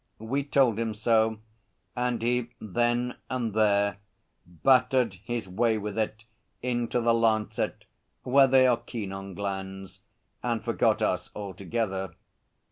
We told him so, and he, then and there, battered his way with it into the Lancet where they are keen on glands, and forgot us altogether.